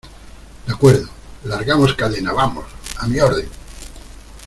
de acuerdo. ¡ largamos cadena, vamos! ¡ a mi orden !